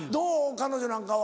彼女なんかは。